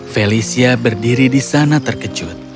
felicia berdiri di sana terkejut